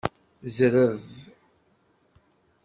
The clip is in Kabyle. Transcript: Zreb!